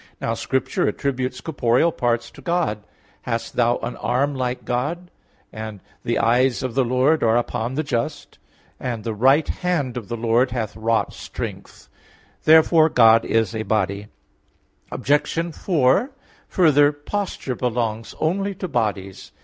Now Scripture attributes corporeal parts to God. "Hast thou an arm like God?" (Job 40:4); and "The eyes of the Lord are upon the just" (Ps. 33:16); and "The right hand of the Lord hath wrought strength" (Ps. 117:16). Therefore God is a body. Obj. 4: Further, posture belongs only to bodies.